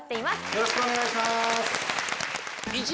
よろしくお願いします。